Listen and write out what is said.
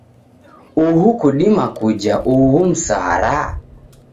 Uhu kudima kuja ughu msara?